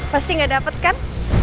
pasti gak dapet kan